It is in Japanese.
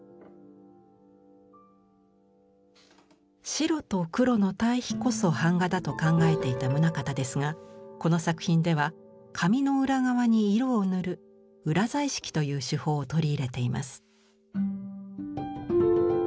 白と黒の対比こそ板画だと考えていた棟方ですがこの作品では紙の裏側に色を塗る裏彩色という手法を取り入れています。